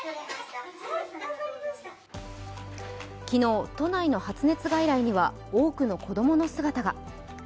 昨日、都内の発熱外来には多くの子供の姿が。